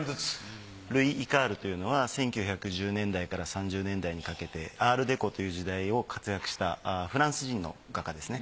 ルイ・イカールというのは１９１０年代から３０年代にかけてアールデコという時代を活躍したフランス人の画家ですね。